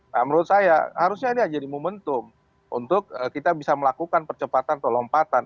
nah menurut saya harusnya ini jadi momentum untuk kita bisa melakukan percepatan atau lompatan